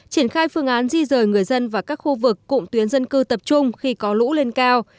triển khai phương án di rời người dân và các khu vực cụm tuyến dân cư tập trung khi có lũ lên cao